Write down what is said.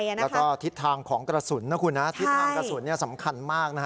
แล้วก็ทิศทางของกระสุนนะคุณนะทิศทางกระสุนสำคัญมากนะฮะ